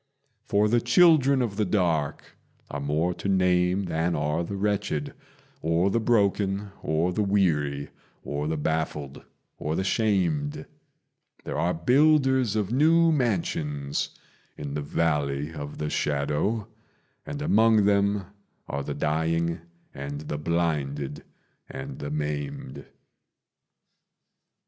For the children of the dark are more to name than are the wretched, Or the broken, or the weary, or the baffled, or the shamed: There are builders of new mansions in the Valley of the Shadow, And among them are the dying and the blinded and the maimed.